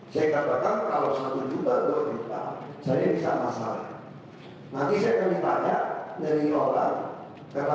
kita berlakunya cuma puluhan ratusan miliar